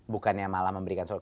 bukannya malah memberikan solusi